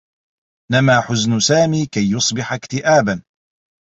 نمى حزن سامي كي يصبح اكتئابا.